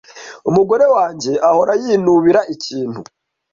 Umugore wanjye ahora yinubira ikintu.